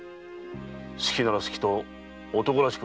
好きなら好きと男らしく打ち明けろ。